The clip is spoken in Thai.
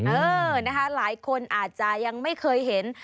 เออนะคะหลายคนอาจจะยังไม่เคยเห็น